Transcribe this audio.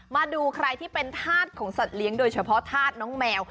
มาดูใครที่เป็นธาตุของสัตว์เลี้ยงโดยเฉพาะธาตุน้องแมว